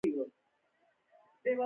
رحم او شفقت د خدای د رضا لامل کیږي.